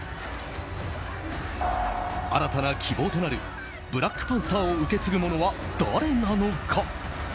新たな希望となるブラックパンサーを受け継ぐ者は誰なのか？